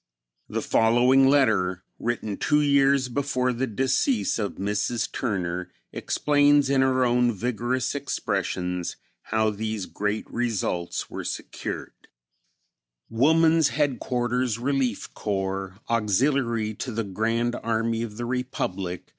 The following letter written two years before the decease of Mrs. Turner explains in her own vigorous expressions how these great results were secured: "Woman's Headquarters Relief Corps, (Auxiliary to the Grand Army of the Republic.)